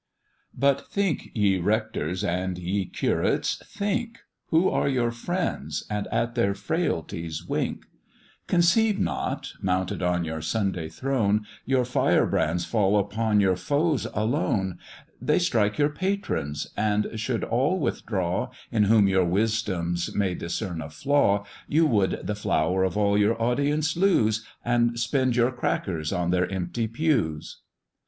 "But think, ye rectors and ye curates, think, Who are your friends, and at their frailties wink; Conceive not mounted on your Sunday throne, Your firebrands fall upon your foes alone; They strike your patrons and should all withdraw, In whom your wisdoms may discern a flaw, You would the flower of all your audience lose, And spend your crackers on their empty pews.